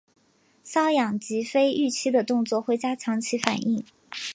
搔痒及非预期的动作会加强其反应。